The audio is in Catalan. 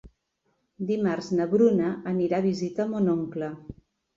Dimarts na Bruna anirà a visitar mon oncle.